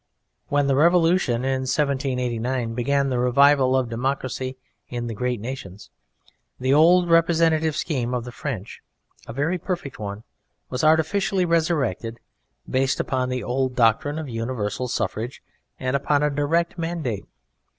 When the Revolution in 1789 began the revival of democracy in the great nations the old representative scheme of the French, a very perfect one, was artificially resurrected, based upon the old doctrine of universal suffrage and upon a direct mandate.